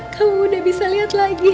kamu udah bisa lihat lagi